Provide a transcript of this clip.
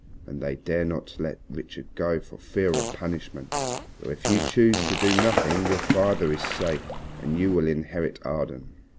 And they dare not let Richard go for fear of punishment. So, if you choose to do nothing your father is safe and you will inherit Arden."